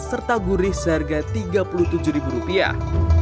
serta gurih seharga tiga puluh tujuh ribu rupiah